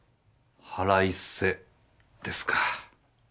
腹いせですか。